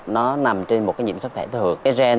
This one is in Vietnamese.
nó nằm trên một cái nhiễm sắc thầy thường